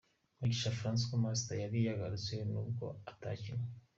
Mugisha Francois Master yari yagarutse n'ubwo atakinnnye.